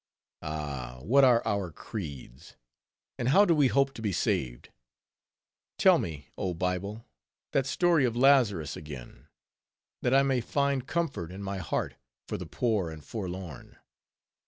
Ah! what are our creeds, and how do we hope to be saved? Tell me, oh Bible, that story of Lazarus again, that I may find comfort in my heart for the poor and forlorn.